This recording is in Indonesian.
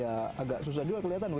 ya agak susah juga kelihatan ibu ya